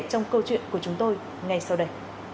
đã uống rượu bia không lái xe